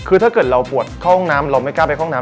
คือถ้าเกิดเราปวดเข้าห้องน้ำเราไม่กล้าไปห้องน้ำ